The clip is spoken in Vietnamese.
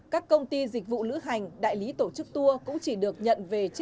các công ty dịch vụ lữ hành đại lý tổ chức tour cũng chỉ được nhận về